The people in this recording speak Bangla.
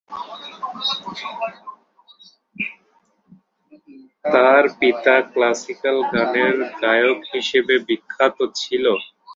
তার পিতা ক্লাসিক্যাল গানের গায়ক হিসেবে বিখ্যাত ছিলেন।